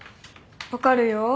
分かるよ。